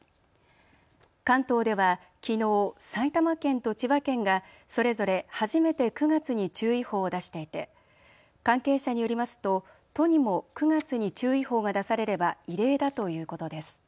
関東ではきのう埼玉県と千葉県がそれぞれ初めて９月に注意報を出していて関係者によりますと都にも９月に注意報が出されれば異例だということです。